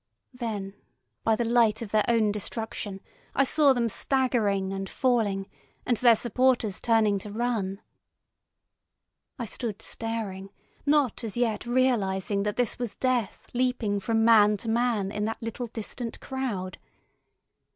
Then, by the light of their own destruction, I saw them staggering and falling, and their supporters turning to run. I stood staring, not as yet realising that this was death leaping from man to man in that little distant crowd.